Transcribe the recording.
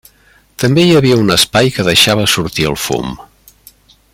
També hi havia un espai que deixava sortir el fum.